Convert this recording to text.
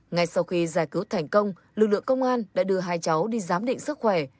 ngay sau khi giải cứu thành công lực lượng công an đã đưa hai cháu đi giám định sức khỏe